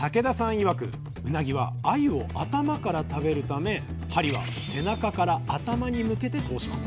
いわくうなぎはあゆを頭から食べるため針は背中から頭に向けて通します。